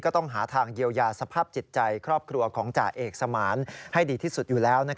ต้องหาทางเยียวยาสภาพจิตใจครอบครัวของจ่าเอกสมานให้ดีที่สุดอยู่แล้ว